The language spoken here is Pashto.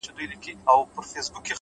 • که په اوړي په سفر به څوک وتله ,